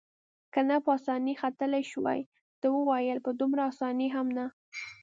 که نه په اسانۍ ختلای شوای، ده وویل: په دومره اسانۍ هم نه.